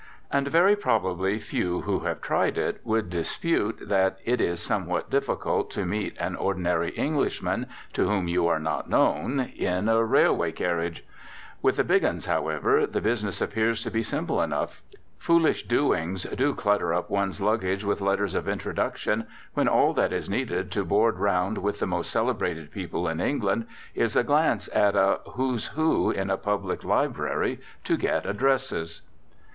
And very probably few who have tried it would dispute that it is somewhat difficult to "meet" an ordinary Englishman to whom you are not known in a railway carriage. With the big 'uns, however, the business appears to be simple enough. Foolish doings do clutter up one's luggage with letters of introduction when all that is needed to board round with the most celebrated people in England is a glance at a "Who's Who" in a public library to get addresses.